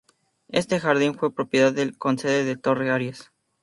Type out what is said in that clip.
Este jardín fue propiedad del conde de Torre Arias.